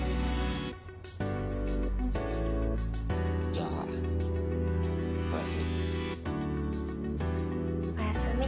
じゃあおやすみ。